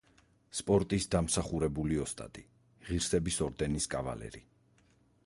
სპორტის დამსახურებული ოსტატი, ღირსების ორდენის კავალერი.